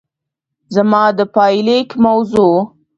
زما د پايليک موضوع